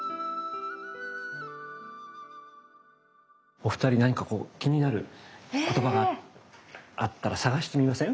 お二人何か気になる言葉があったら探してみません？